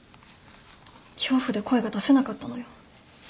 恐怖で声が出せなかったのよ。